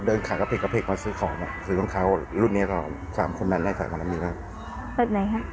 เดินขายกระเพ็กกระเพ็กมาซื้อของน่ะซื้อรองเท้ารุ่นนี้หรอสามคนนั้นได้สามารถมีแล้ว